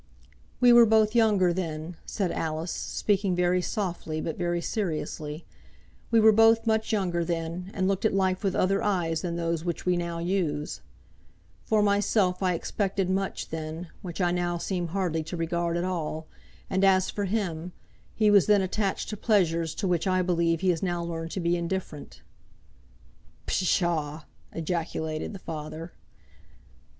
"We were both younger, then," said Alice, speaking very softly, but very seriously. "We were both much younger then, and looked at life with other eyes than those which we now use. For myself I expected much then, which I now seem hardly to regard at all; and as for him, he was then attached to pleasures to which I believe he has now learned to be indifferent." "Psha!" ejaculated the father.